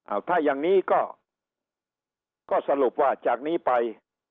เอาถ้าอย่างนี้ก็สรุปว่าจากนี้ไป